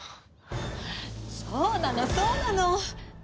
そうなのそうなの！